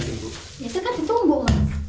itu kan ditumbuk